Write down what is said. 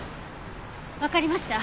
わかりました。